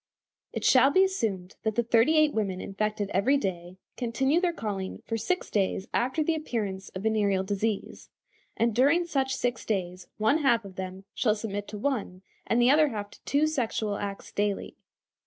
It shall be assumed that the thirty eight women infected every day continue their calling for six days after the appearance of venereal disease, and during such six days one half of them shall submit to one, and the other half to two sexual acts daily.